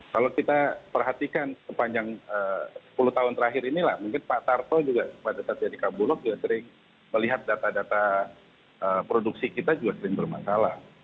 kalau kita perhatikan sepanjang sepuluh tahun terakhir inilah mungkin pak tarto juga pada saat jadi kabulok juga sering melihat data data produksi kita juga sering bermasalah